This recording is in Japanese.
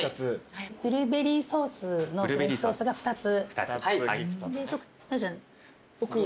ブルーベリーソースのフレンチトーストが２つ。